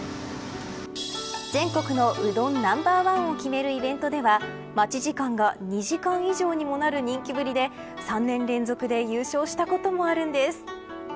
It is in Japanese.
全国のうどんナンバーワンを決めるイベントでは待ち時間が２時間以上にもなる人気ぶりで３年連続で優勝したこともあるんです。